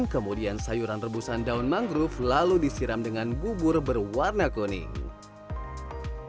kemudian sayuran rebusan daun mangrove lalu disiram dengan bubur berwarna kuning